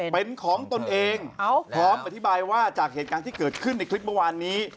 เป็นของตนเองพร้อมอธิบายว่าจากเหตุการณ์ที่เกิดขึ้นในคลิปเมื่อวานนี้